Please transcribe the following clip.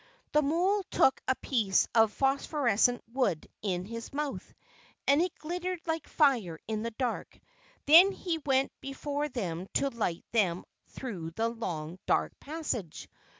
The mole took a piece of phosphorescent wood in his mouth, and it glittered like fire in the dark. Then he went before them to light them through the long, dark passage.